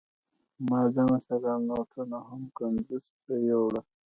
ما ځان سره نوټونه هم کندوز ته يوړل.